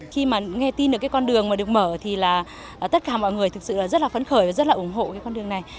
khi mà nghe tin được cái con đường mà được mở thì là tất cả mọi người thực sự rất là phấn khởi và rất là ủng hộ cái con đường này